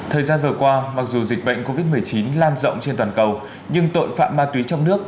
thời gian vừa qua mặc dù dịch bệnh covid một mươi chín lan rộng trên toàn cầu nhưng tội phạm ma túy trong nước